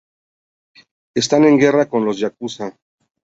Están en guerra con los Yakuza.